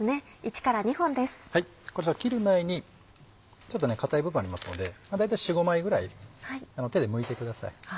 こちら切る前にちょっと硬い部分ありますので大体４５枚ぐらい手でむいてください。